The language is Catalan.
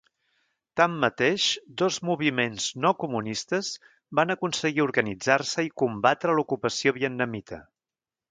Tanmateix, dos moviments no-comunistes van aconseguir organitzar-se i combatre a l'ocupació vietnamita.